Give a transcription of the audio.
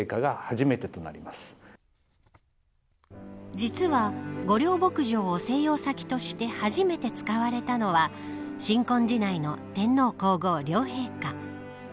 実は御料牧場を静養先として初めて使われたのは新婚時代の天皇、皇后両陛下。